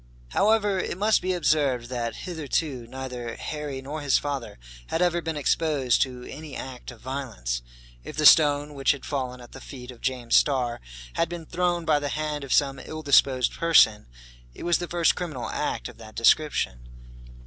However, it must be observed that, hitherto, neither Harry nor his father had ever been exposed to any act of violence. If the stone which had fallen at the feet of James Starr had been thrown by the hand of some ill disposed person, it was the first criminal act of that description.